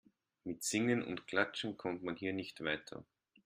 Mit Singen und Klatschen kommt man hier nicht weiter.